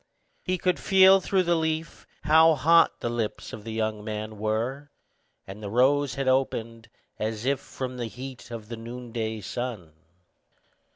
He could feel through the leaf how hot the lips of the young man were, and the rose had opened, as if from the heat of the noonday sun.